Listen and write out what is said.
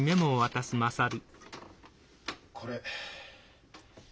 これ。